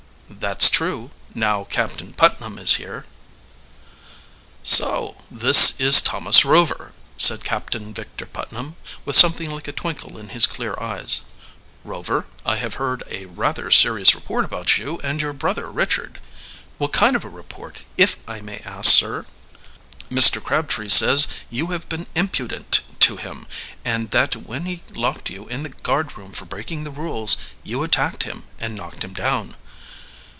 "That's true now Captain Putnam is here." "So this is Thomas Rover," said Captain Victor Putnam, with something like a twinkle in his clear eyes. "Rover, I have heard a rather serious report about you and your brother Richard." "What kind of a report, if I may ask, sir?" "Mr. Crabtree says you have been impudent to him, and that when he locked you in the guardroom for breaking the rules you attacked him and knocked him down."